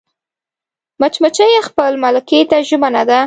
مچمچۍ خپل ملکې ته ژمنه ده